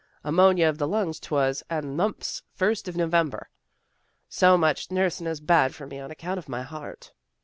" Amonia of the lungs 'twas, and the mumps first of November. So much nursin' is bad for me on account of my heart."